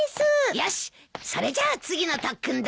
よしそれじゃあ次の特訓だ。